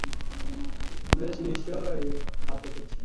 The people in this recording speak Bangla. বেঙ্কটস্বামী নিশ্চয় ঠাওরালে পাত্র খুঁজছে।